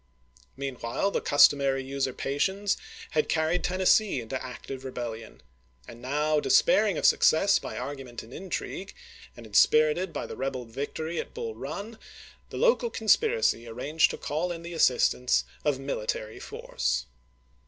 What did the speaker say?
Meanwhile the customary usurpations had carried Tennessee into active rebellion ; and now, despairing of success by argument and intrigue, and inspirited by the rebel victory at Bull Run, the local conspiracy arranged to call in the assistance of military 'Si"^^"y foi'ce.